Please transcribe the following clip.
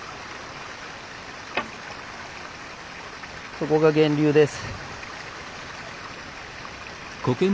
そこが源流です。